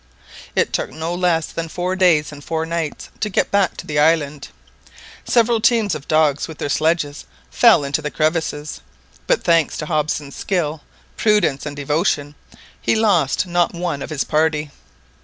It took no less than four days and four nights to get back to the island. Several teams of dogs with their sledges fell into the crevasses, but thanks to Hobson's skill, prudence, and devotion, he lost not one of his party.